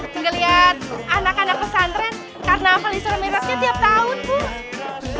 gak liat anak anak pesantren karena malis remitnya tiap tahun bu